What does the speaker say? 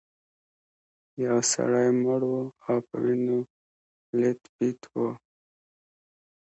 یو سړی مړ و او په وینو لیت پیت و.